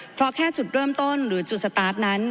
เพราะแค่จุดเริ่มต้นหรือจุดสตาร์ทนั้น